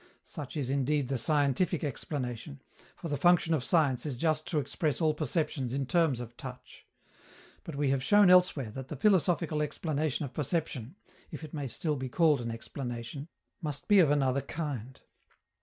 Such is indeed the scientific explanation, for the function of science is just to express all perceptions in terms of touch. But we have shown elsewhere that the philosophical explanation of perception (if it may still be called an explanation) must be of another kind.